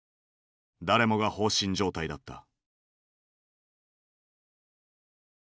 誰もが放心状態だった。